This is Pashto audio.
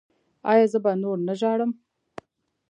ایا زه به نور نه ژاړم؟